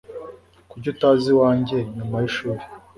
Kuki utaza iwanjye nyuma yishuri?